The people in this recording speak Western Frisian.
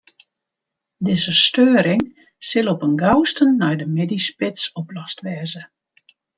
Dizze steuring sil op 'en gausten nei de middeisspits oplost wêze.